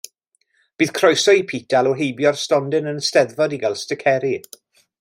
Bydd croeso i Pete alw heibio'r stondin yn y 'steddfod i gael sticeri.